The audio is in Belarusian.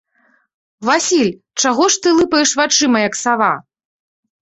Васіль, чаго ж ты лыпаеш вачыма, як сава?